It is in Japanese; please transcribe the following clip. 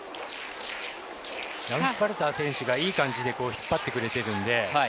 ラムパルター選手がいい感じに引っ張ってくれているので。